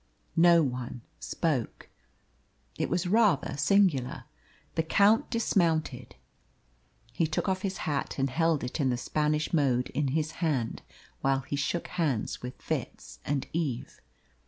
No one spoke. It was rather singular. The Count dismounted. He took off his hat and held it in the Spanish mode in his hand while he shook hands with Fitz and Eve.